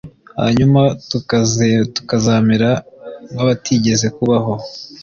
hanyuma tukazamera nk’abatigeze kubaho.